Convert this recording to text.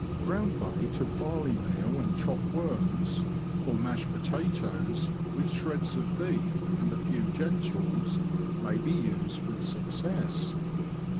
Ground bait of barley meal and chopped worms, or mashed potatoes, with shreds of beef, and a few gentles, may be used with success.